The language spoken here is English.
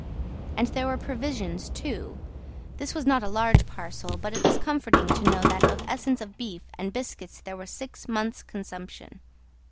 And there were provisions too: this was not a large parcel, but it was comforting to know that of essence of beef and biscuits there were six months' consumption.